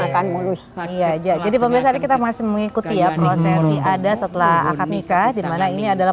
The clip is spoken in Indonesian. akan mulus iya jadi pemirsa kita masih mengikuti ya prosesi ada setelah akad nikah dimana ini adalah